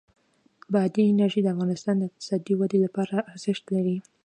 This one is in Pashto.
بادي انرژي د افغانستان د اقتصادي ودې لپاره ارزښت لري.